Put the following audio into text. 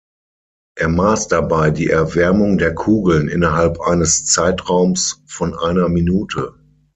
Er maß dabei die Erwärmung der Kugeln innerhalb eines Zeitraums von einer Minute.